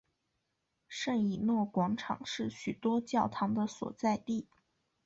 圣以诺广场是许多教堂的所在地。